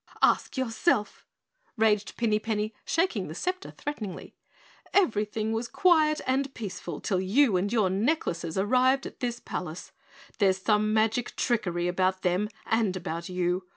"Ask yourself!" raged Pinny Penny, shaking the scepter threateningly. "Everything was quiet and peaceful till you and your necklaces arrived at this palace; there's some magic trickery about them and about you.